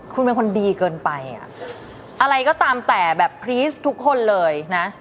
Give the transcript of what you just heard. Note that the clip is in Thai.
คุณเป็นคนดีเกินไปอ่ะอะไรก็ตามแต่แบบพรีสทุกคนเลยนะ